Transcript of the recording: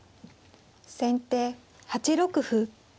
先手８六歩。